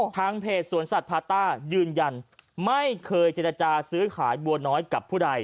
ทางเพจสวนสัตว์พาต้ายืนยันไม่เคยเจรจาซื้อขายบัวน้อยกับผู้ใด